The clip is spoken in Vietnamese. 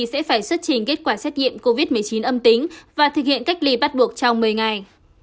sẽ phải xuất trình kết quả xét nghiệm covid một mươi chín âm tính và thực hiện cách ly bắt buộc trong một mươi ngày